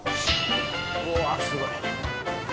うわすごい。